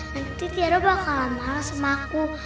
nanti tiada bakal malas sama aku